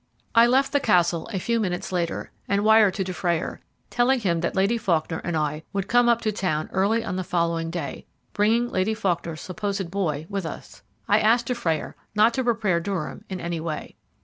I left the castle a few minutes later, and wired to Dufrayer, telling him that Lady Faulkner and I would come up to town early on the following day, bringing Lady Faulkner's supposed boy with us. I asked Dufrayer not to prepare Durham in any way.